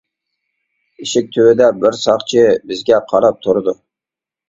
ئىشىك تۈۋىدە بىر ساقچى بىزگە قاراپ تۇرىدۇ.